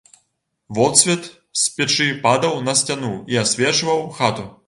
Водсвет з печы падаў на сцяну і асвечваў хату.